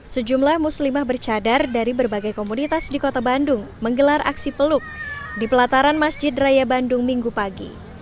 sejumlah muslimah bercadar dari berbagai komunitas di kota bandung menggelar aksi peluk di pelataran masjid raya bandung minggu pagi